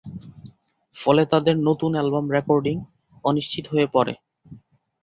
ফলে তাদের নতুন অ্যালবাম রেকর্ডিং অনিশ্চিত হয়ে পড়ে।